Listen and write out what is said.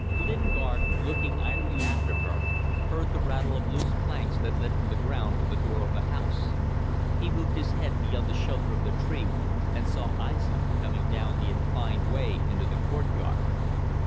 Lingard, looking idly after her, heard the rattle of loose planks that led from the ground to the door of the house. He moved his head beyond the shelter of the tree and saw Aissa coming down the inclined way into the courtyard.